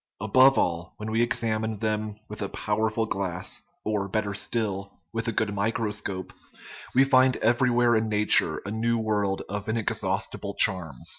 Above all, when we examine them with a powerful glass or, better still, with a good microscope, we find every where in nature a new world of inexhaustible charms.